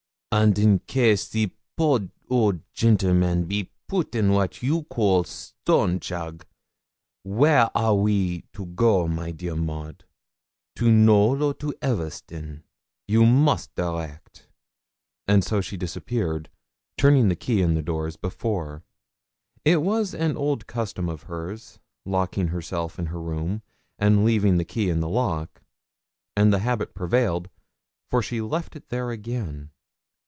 'And in case the poor old gentleman be poot in what you call stone jug, where are we to go my dear Maud to Knowl or to Elverston? You must direct.' And so she disappeared, turning the key in the door as before. It was an old custom of hers, locking herself in her room, and leaving the key in the lock; and the habit prevailed, for she left it there again.